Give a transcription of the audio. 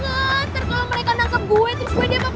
nanti kalau mereka nangkep gue terus gue debat